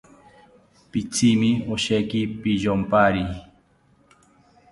Pitzimi osheki piyompari